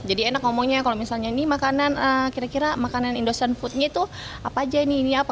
jadi enak ngomongnya kalau misalnya ini makanan kira kira makanan indonesian foodnya itu apa aja ini ini apa